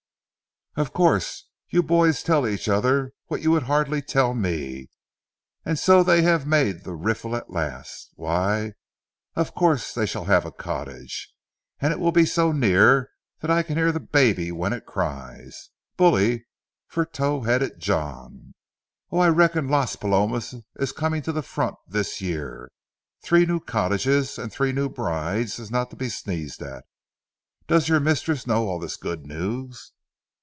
"Of course, you boys tell each other what you would hardly tell me. And so they have made the riffle at last? Why, of course they shall have a cottage, and have it so near that I can hear the baby when it cries. Bully for tow headed John. Oh, I reckon Las Palomas is coming to the front this year. Three new cottages and three new brides is not to be sneezed at! Does your mistress know all this good news?"